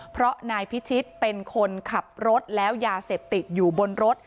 เพราะนายพิชิตเป็นคนขับรถแล้วยาเสพติดอยู่บนรถ